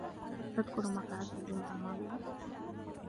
أتذكرُ ما فعلتَ الجمعة الماضية؟